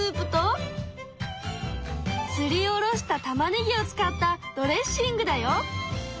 すりおろしたたまねぎを使ったドレッシングだよ。